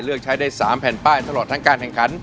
เลือกใช้ได้๓แผ่นป้ายตลอดทั้งการแข่งขัน